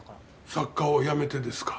作家をやめてですか？